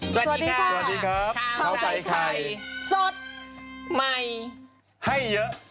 สวัสดีค่ะข้าวใส่ไข่สดใหม่ให้เยอะ